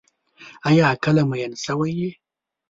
آیا کله مئین شوی یې؟